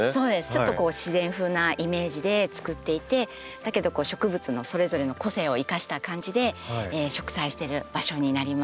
ちょっと自然風なイメージでつくっていてだけど植物のそれぞれの個性を生かした感じで植栽してる場所になります。